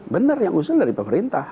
benar yang usul dari pemerintah